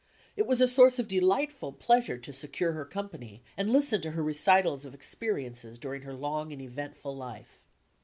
It was a source of delightful pleasure to secure her company and listen to her recitals of expe riences during her long and eventful life.